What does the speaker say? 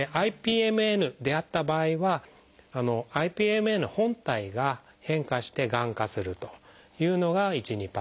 ＩＰＭＮであった場合はＩＰＭＮ本体が変化してがん化するというのが１２％。